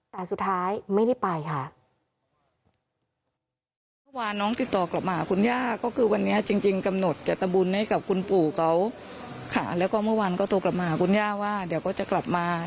แต่สุดท้ายไม่ได้ไปค่ะ